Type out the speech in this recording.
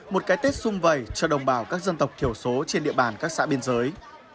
một cái tết xung vầy cho đồng bào các dân tộc thiểu số trên địa bàn các xã biên giới